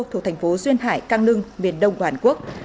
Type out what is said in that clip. thuộc thành phố duyên hải căng nưng miền đông hoàn quốc